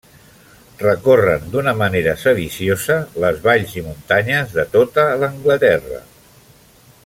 Recorren d'una manera sediciosa les valls i muntanyes de tota l'Anglaterra.